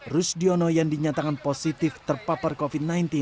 rus diono yang dinyatakan positif terpapar covid sembilan belas